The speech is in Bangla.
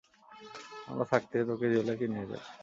আমরা থাকতে তোকে জেলে কে নিয়ে যাবে।